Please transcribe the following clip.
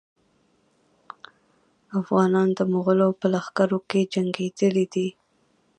افغانان د مغولو په لښکرو کې جنګېدلي دي.